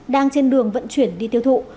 đang trên đường vận chuyển đi tiêu thụ